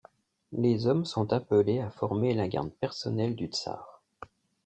Les hommes sont appelés à former la garde personnelle du tsar.